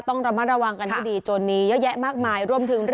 ต้องระมัดระวังกันให้ดีจนมีเยอะแยะมากมายรวมถึง